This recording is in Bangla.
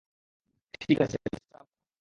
ঠিক আছে, বিশ্রাম নাও?